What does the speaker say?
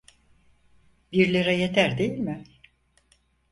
Bir lira yeter değil mi?